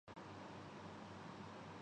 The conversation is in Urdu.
اگر وہاں کچھ ہے۔